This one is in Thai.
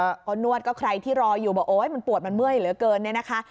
เพราะนวดก็ใครที่รออยู่บอกโอ๊ยมันปวดมันเมื่อยเหลือเกินเนี่ยนะคะ